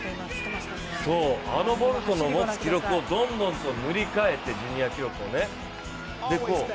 あのボルトの持つ記録をどんどんと塗り替えてジュニア記録をね。